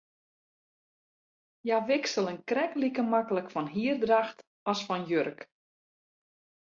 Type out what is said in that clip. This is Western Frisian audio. Hja wikselen krekt like maklik fan hierdracht as fan jurk.